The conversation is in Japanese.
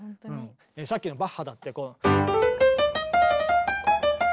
さっきのバッハだって。